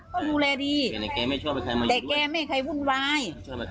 เขาดูแลดีแต่แกไม่ให้ใครวุ่นวาย